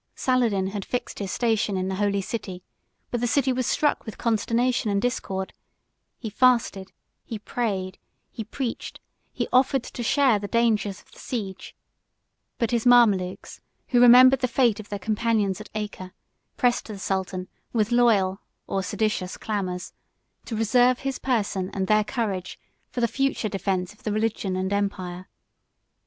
Saladin 75 had fixed his station in the holy city; but the city was struck with consternation and discord: he fasted; he prayed; he preached; he offered to share the dangers of the siege; but his Mamalukes, who remembered the fate of their companions at Acre, pressed the sultan with loyal or seditious clamors, to reserve his person and their courage for the future defence of the religion and empire.